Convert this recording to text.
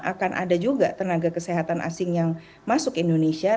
akan ada juga tenaga kesehatan asing yang masuk indonesia